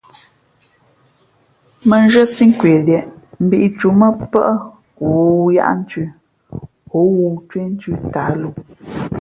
Mᾱ nzhwésí kweliēʼ mbīʼtǔmᾱ pάʼ ghoōyaʼthʉ̄ o ghoōcwéénthʉ tāhlǒ.